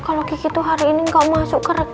kalau kiki tuh hari ini gak masuk ke reka